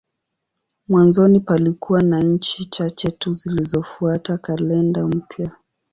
Mwanzoni palikuwa na nchi chache tu zilizofuata kalenda mpya.